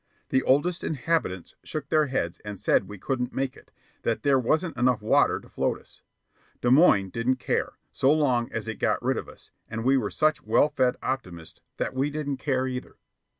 The oldest inhabitants shook their heads and said we couldn't make it, that there wasn't enough water to float us. Des Moines didn't care, so long as it got rid of us, and we were such well fed optimists that we didn't care either.